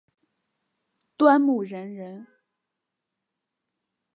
端木仁人。